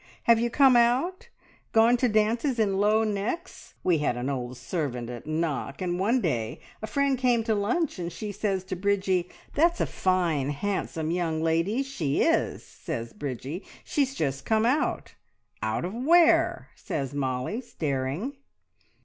Have you come out, and gone to dances in low necks? We had an old servant at Knock, and one day a friend came to lunch and she says to Bridgie, `That's a fine, handsome young lady!' `She is,' says Bridgie. `She's just come out!' `Out of w'ere?' says Molly, staring."